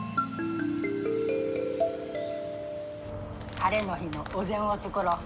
ハレの日のお膳を作ろう。